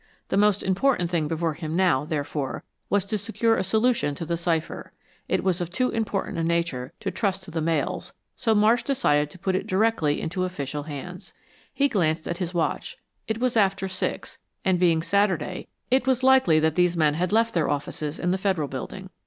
The most important thing before him now, therefore, was to secure a solution to the cipher. It was of too important a nature to trust to the mails so Marsh decided to put it directly into official hands. He glanced at his watch. It was after six, and being Saturday, it was likely that these men had left their offices in the Federal Building.